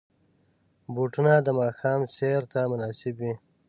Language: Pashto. بوټونه د ماښام سیر ته مناسب وي.